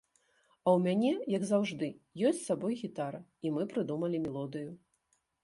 А ў мяне як заўжды ёсць з сабой гітара, і мы прыдумалі мелодыю.